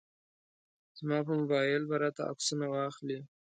زما په موبایل به راته عکسونه واخلي.